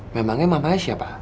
memangnya mama aja siapa